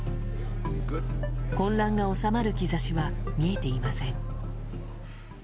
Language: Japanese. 混乱が収まる兆しは見えていません。